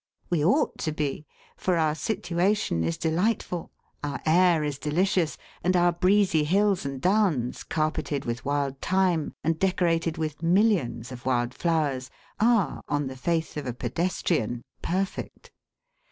We ought to be, for our situation is delightful, our air is delicious, and our breezy hills and downs, carpeted with wild thyme, and decorated with millions of wild flowers, are, on the faith of a pedestrian, perfect.